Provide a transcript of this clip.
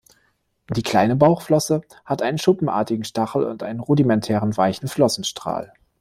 Die kleine Bauchflosse hat einen schuppenartigen Stachel und einen rudimentären weichen Flossenstrahl.